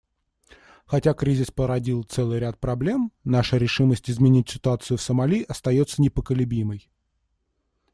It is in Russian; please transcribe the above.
Хотя кризис породил целый ряд проблем, наша решимость изменить ситуацию в Сомали остается непоколебимой.